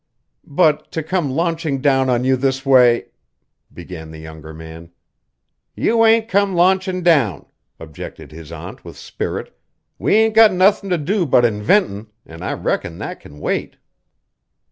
"But to come launching down on you this way " began the younger man. "You ain't come launchin' down," objected his aunt with spirit. "We ain't got nothin' to do but inventin', an' I reckon that can wait."